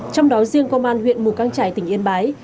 trong đó riêng công an huyện mù căng trải tỉnh yên bái